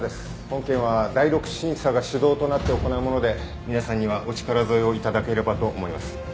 本件は第六審査が主導となって行うもので皆さんにはお力添えをいただければと思います。